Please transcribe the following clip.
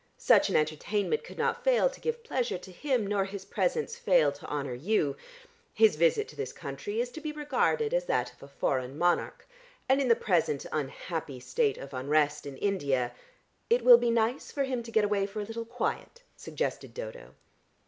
Such an entertainment could not fail to give pleasure to him, nor his presence fail to honour you. His visit to this country is to be regarded as that of a foreign monarch, and in the present unhappy state of unrest in India " "It will be nice for him to get away for a little quiet," suggested Dodo.